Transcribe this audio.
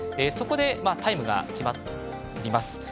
そこでタイムが決まります。